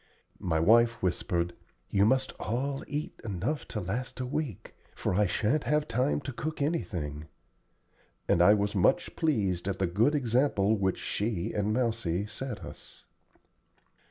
My wife whispered, "You must all eat enough to last a week, for I sha'n't have time to cook anything;" and I was much pleased at the good example which she and Mousie set us.